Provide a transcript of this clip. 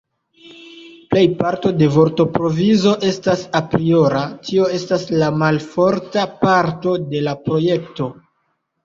Plejparto de vortprovizo estas apriora, tio estas la malforta parto de la projekto.